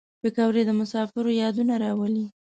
پکورې د مسافرو یادونه راولي